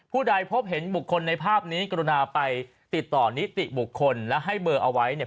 ใดพบเห็นบุคคลในภาพนี้กรุณาไปติดต่อนิติบุคคลและให้เบอร์เอาไว้เนี่ย